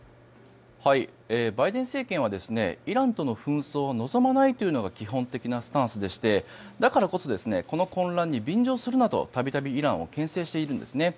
バイデン政権はイランとの紛争は望まないというのが基本的なスタンスでしてだからこそこの混乱に便乗するなとたびたびイランを牽制しているんですね。